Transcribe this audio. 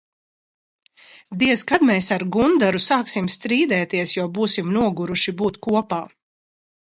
Diez, kad mēs ar Gundaru sāksim strīdēties, jo būsim noguruši būt kopā?